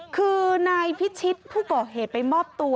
คือนายพิชิตผู้ก่อเหตุไปมอบตัว